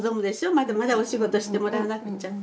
まだまだお仕事してもらわなくちゃって。